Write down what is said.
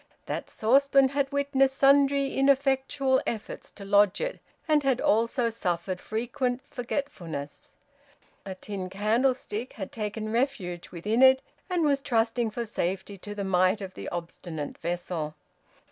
That saucepan had witnessed sundry ineffectual efforts to lodge it, and had also suffered frequent forgetfulness. A tin candlestick had taken refuge within it, and was trusting for safety to the might of the obstinate vessel.